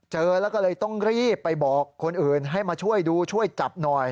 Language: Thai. เจอแล้วก็เลยต้องรีบไปบอกคนอื่นให้มาช่วยดูช่วยจับหน่อย